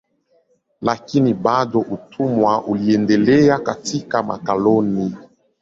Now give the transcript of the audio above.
Lakini bado utumwa uliendelea katika makoloni.